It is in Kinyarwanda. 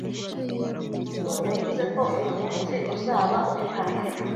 Bobo yavuze ko uyu munsi uzaba uri hano